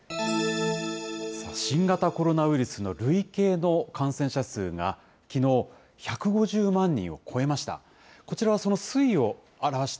新型コロナウイルスの累計の感染者数が、きのう、１５０万人を超えました。